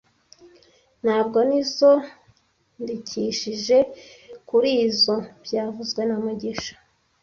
Ntabwo nizoandikishije kurizoi byavuzwe na mugisha